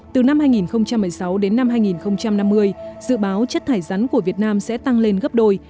từ năm hai nghìn một mươi sáu đến năm hai nghìn năm mươi dự báo chất thải rắn của việt nam sẽ tăng lên gấp đôi